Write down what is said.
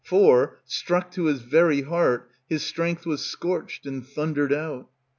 For, struck to his very heart, His strength was scorched and thundered out.